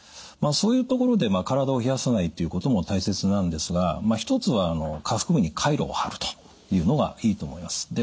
そういうところで体を冷やさないということも大切なんですが一つは下腹部にカイロを貼るというのがいいと思います。